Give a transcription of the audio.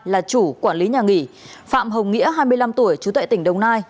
là chủ quản lý nhà nghỉ phạm hồng nghĩa hai mươi năm tuổi trú tại tỉnh đồng nai